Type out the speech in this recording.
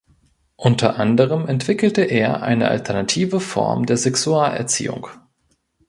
Unter anderem entwickelte er eine alternative Form der Sexualerziehung.